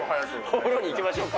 お風呂に行きましょうか。